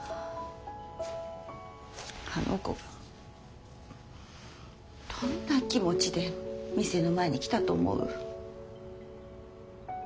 あの子がどんな気持ちで店の前に来たと思う？